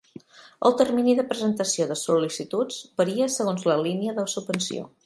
El termini de presentació de sol·licituds varia segons la línia de subvenció.